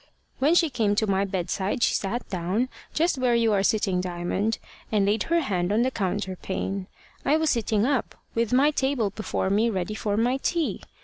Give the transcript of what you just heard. When she came to my bedside, she sat down, just where you are sitting, Diamond, and laid her hand on the counterpane. I was sitting up, with my table before me ready for my tea.